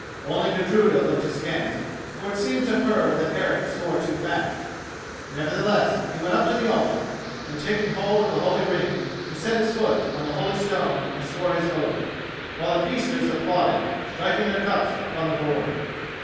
Only Gudruda looked askance, for it seemed to her that Eric swore too fast. Nevertheless he went up to the altar, and, taking hold of the holy ring, he set his foot on the holy stone and swore his oath, while the feasters applauded, striking their cups upon the board.